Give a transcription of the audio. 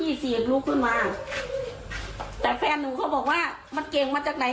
มีเสียงลุกขึ้นมาแต่แฟนหนูเขาบอกว่ามันเก่งมาจากไหน